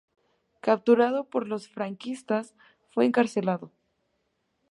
Capturado por los franquistas, fue encarcelado.